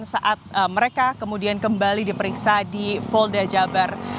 saat mereka kemudian kembali diperiksa di polda jabar